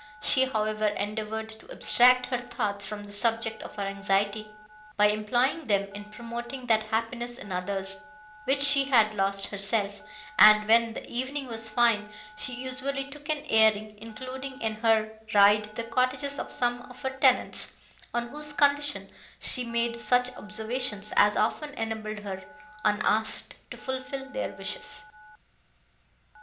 She, however, endeavoured to abstract her thoughts from the subject of her anxiety, by employing them in promoting that happiness in others, which she had lost herself; and, when the evening was fine, she usually took an airing, including in her ride the cottages of some of her tenants, on whose condition she made such observations, as often enabled her, unasked, to fulfil their wishes.